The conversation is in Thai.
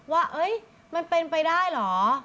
ว่ามันเป็นไปได้เหรอ